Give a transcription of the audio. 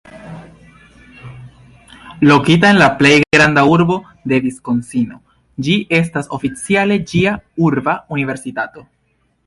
Lokita en la plej granda urbo de Viskonsino, ĝi estas oficiale ĝia "urba universitato".